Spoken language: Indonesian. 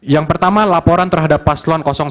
yang pertama laporan terhadap paslon satu